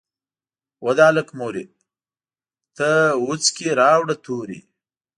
"وه د هلک مورې ته وڅکي راوړه توري".